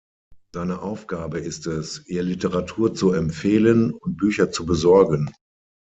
Seine Aufgabe ist es, ihr Literatur zu empfehlen und Bücher zu besorgen.